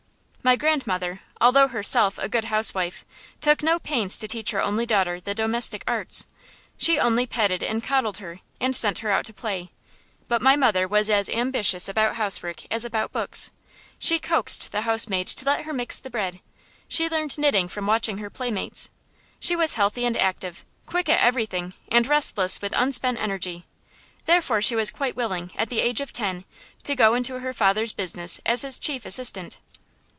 My grandmother, although herself a good housewife, took no pains to teach her only daughter the domestic arts. She only petted and coddled her and sent her out to play. But my mother was as ambitious about housework as about books. She coaxed the housemaid to let her mix the bread. She learned knitting from watching her playmates. She was healthy and active, quick at everything, and restless with unspent energy. Therefore she was quite willing, at the age of ten, to go into her father's business as his chief assistant.